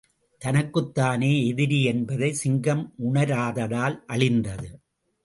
தனக்குத்தானே எதிரி என்பதை சிங்கம் உணராததால் அழிந்தது.